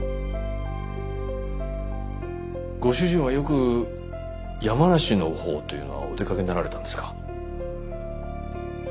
ご主人はよく山梨のほうというのはお出かけになられたんですか？